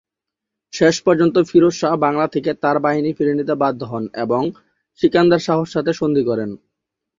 শেষপর্যন্ত ফিরোজ শাহ বাংলা থেকে তার বাহিনী ফিরিয়ে নিতে বাধ্য হন এবং সিকান্দার শাহর সাথে সন্ধি করেন।